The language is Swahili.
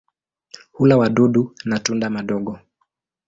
Hula wadudu na tunda madogo.